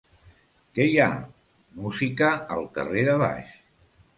Què hi ha? —Música al carrer de baix.